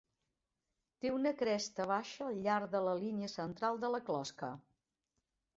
Té una cresta baixa al llarg de la línia central de la closca.